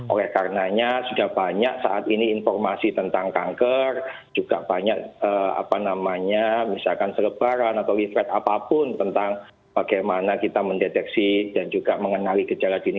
oleh karenanya sudah banyak saat ini informasi tentang kanker juga banyak apa namanya misalkan selebaran atau leafred apapun tentang bagaimana kita mendeteksi dan juga mengenali gejala dini